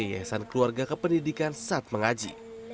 yayasan keluarga kependidikan saat mengaji